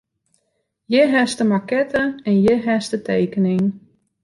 Hjir hast de makette en hjir hast de tekening.